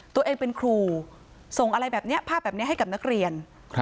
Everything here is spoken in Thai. ตัวเองเป็นครูส่งอะไรแบบนี้ภาพแบบนี้ให้กับนักเรียน